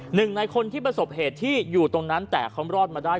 หนึ่งในคนที่ประสบเหตุที่อยู่ตรงนั้นแต่เขารอดมาได้